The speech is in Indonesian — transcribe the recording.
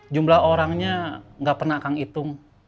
jumlah orangnya gak pernah kang hitung